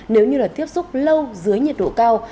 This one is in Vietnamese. nếu như tiếp xúc lâu dưới nhiệt độ cao